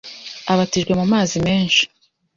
abatijwe mu mazi menshi,